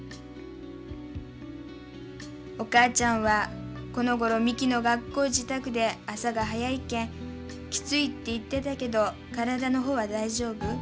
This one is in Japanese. お母ちゃんはこのごろ美紀の学校支度で朝が早いけんきついって言ってたけど体の方は大丈夫？